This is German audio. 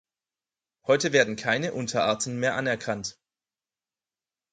Heute werden keine Unterarten mehr anerkannt.